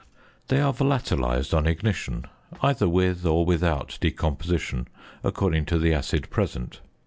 They are volatilised on ignition; either with, or without, decomposition according to the acid present.